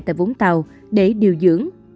tại vũng tàu để điều dưỡng